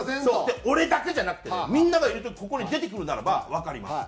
で俺だけじゃなくてねみんながいる時ここに出てくるならばわかります。